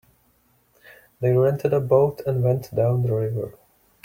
They rented a boat and went down the river.